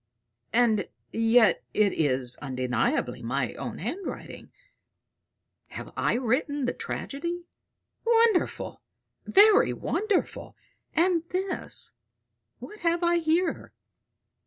And yet it is undeniably my own handwriting. Have I written the tragedy? Wonderful, very wonderful! And this what have I here?